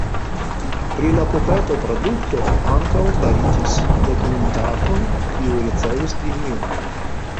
Pri la pupeta produkto ankaŭ faritis dokumentato kiu ricevis premion.